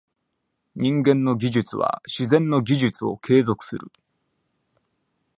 人間の技術は自然の技術を継続する。